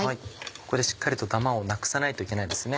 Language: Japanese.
ここでしっかりとダマをなくさないといけないですね。